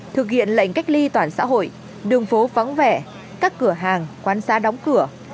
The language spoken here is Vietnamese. thực hiện lệnh cách ly toàn xã hội đường phố vắng vẻ các cửa hàng quán xa đóng cửa